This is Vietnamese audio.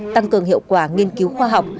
tăng cường hiệu quả nghiên cứu khoa học